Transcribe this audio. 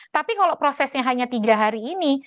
tapi kalau prosesnya hanya tiga hari ini